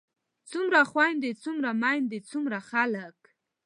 څومره خويندے څومره ميايندے څومره خلک